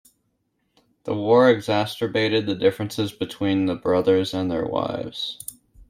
The war exacerbated the differences between the brothers and their wives.